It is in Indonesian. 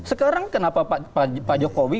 sekarang kenapa pak jokowi